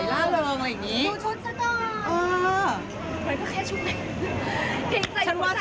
ยังได้ได้แหลงเดี๋ยวเลยกะเช้าอายฟ้า